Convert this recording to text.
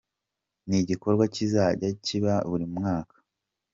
ni igikorwa kizajya kiba buri mwaka.